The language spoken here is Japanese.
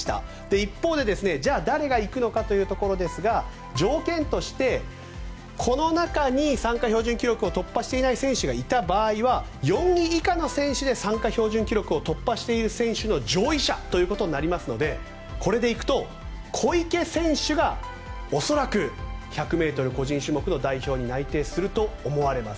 一方でじゃあ誰が行くのかというところですが条件としてこの中に参加標準記録を突破していない選手がいた場合は４位以下の選手で参加標準記録を突破している選手の上位者ということになりますのでこれで行くと小池選手が恐らく１００ｍ個人種目の代表に内定すると思われます。